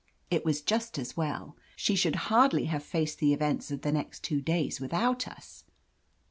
It was just as well. She should hardly have faced the events of the next two days with out us.